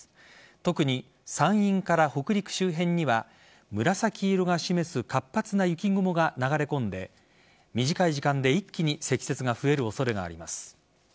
特に山陰から北陸周辺には紫色が示す活発な雪雲が流れ込んで短い時間で一気に積雪が増える恐れがあります。